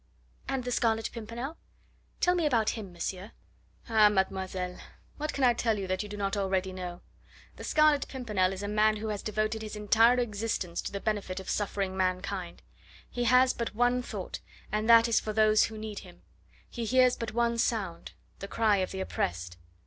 "And the Scarlet Pimpernel? Tell me about him, monsieur." "Ah, mademoiselle, what can I tell you that you do not already know? The Scarlet Pimpernel is a man who has devoted his entire existence to the benefit of suffering mankind. He has but one thought, and that is for those who need him; he hears but one sound the cry of the oppressed."